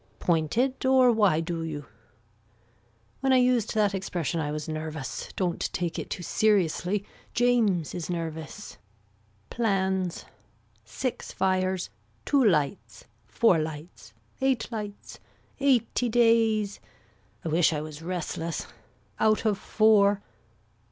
Pointed or why do you. When I used that expression I was nervous. Don't take it too seriously James is nervous. Plans. Six fires. Two lights. Four lights. Eight lights. Eighty days. I wish I was restless. Out of four.